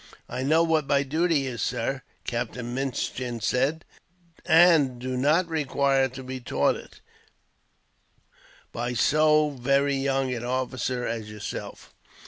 "I know what my duty is, sir," Captain Minchin said, "and do not require to be taught it, by so very young an officer as yourself."